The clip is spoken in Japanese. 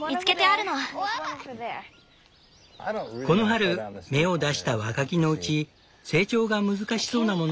この春芽を出した若木のうち成長が難しそうなものを保護するという。